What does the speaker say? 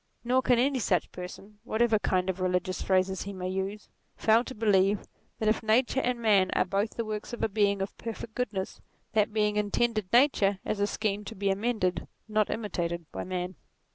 Nor can any such person, whatever kind of religious phrases he may use, fail to believe, that if Nature and Man are both the works of a Being of perfect good ness, that Being intended Nature as a scheme to be amended, not imitated, by Man.